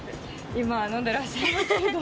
今、飲んでらっしゃいますけど。